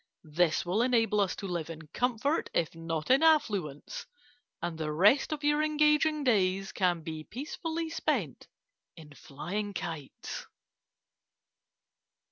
This will enable us to live in comfort, if not in affluence, and the rest of your engaging days can be peacefully spent in flying kites.